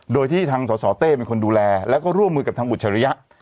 โดยที่ทางสสเต้เป็นคนดูแลแล้วก็ร่วมมือกับทางอุจฉริยะ